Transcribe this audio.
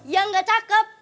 yang gak cakep